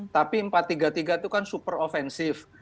tapi empat tiga tiga itu kan super ofensif